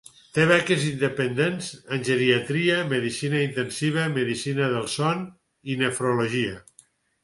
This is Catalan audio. Té beques independents en geriatria, medicina intensiva, medicina del son i nefrologia.